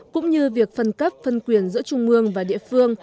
cũng như việc phân cấp phân quyền giữa trung mương và địa phương